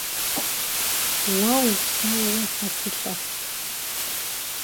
Vue vupseuue se sılh'e!